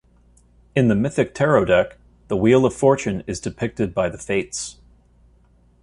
In the Mythic Tarot deck, the Wheel of Fortune is depicted by the Fates.